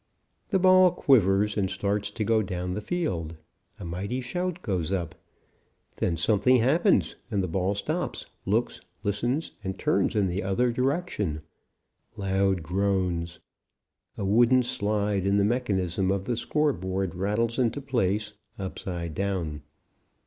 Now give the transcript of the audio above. The ball quivers and starts to go down the field. A mighty shout goes up. Then something happens, and the ball stops, looks, listens and turns in the other direction. Loud groans. A wooden slide in the mechanism of the scoreboard rattles into place, upside down.